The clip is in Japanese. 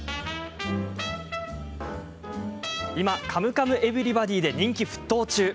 今「カムカムエヴリバディ」で人気沸騰中